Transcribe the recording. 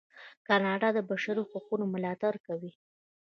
کاناډا د بشري حقونو ملاتړ کوي.